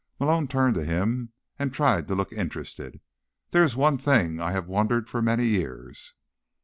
Malone turned to him and tried to look interested. "There is one thing I have wondered for many years."